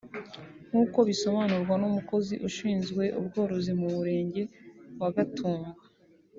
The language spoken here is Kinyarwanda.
nk’uko bisobanurwa n’umukozi ushinzwe ubworozi mu murenge wa Gatumba